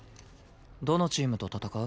どのチームと戦う？